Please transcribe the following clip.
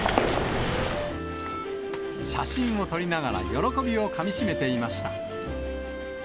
写真を撮りながら喜びをかみしめていました。